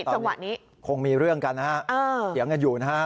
จังหวะนี้คงมีเรื่องกันนะฮะเถียงกันอยู่นะฮะ